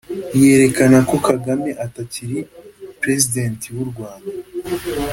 yerekana ko Kagame atakiri President w’u Rwanda